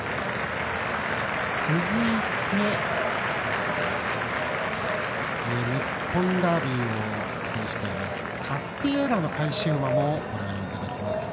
続いて日本ダービーを制していますタスティエーラの返し馬もご覧いただきます。